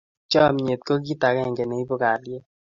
Chamnyet ko kit akenge ne ibu kalyet